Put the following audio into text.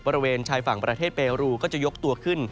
บริเวณชายฝั่งประเทศเปรูก็จะยกตัวขึ้น